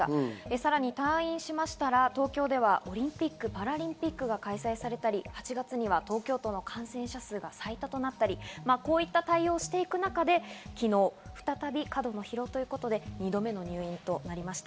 さらに退院しましたら、東京ではオリンピック・パラリンピックが開催されたり、８月には東京都の感染者数が最多となったり、こういった対応をしていく中で昨日、再び過度の疲労ということで２度目の入院となりました。